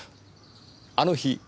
あの日。